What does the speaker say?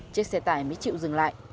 chiếc xe tải mới chịu dừng lại